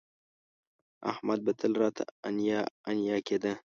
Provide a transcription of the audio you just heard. احمد به تل راته انیا انیا کېده